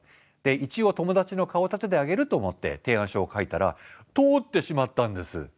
一応友達の顔を立ててあげると思って提案書を書いたら通ってしまったんです。